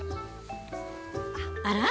あら？